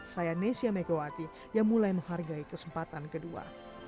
saya nesya megawati yang mulai menghargai kesempatan kedua